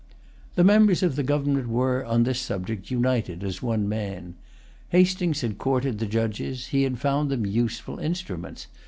The members of the government were, on this subject, united as one man. Hastings had courted the judges; he had found them useful instruments.